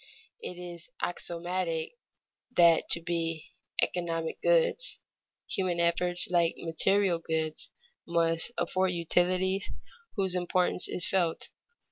_ It is axiomatic that to be "economic goods" human efforts like material goods must afford utilities whose importance is felt.